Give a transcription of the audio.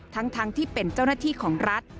ทั้งที่เป็นเจ้าหน้าที่ของรัฐ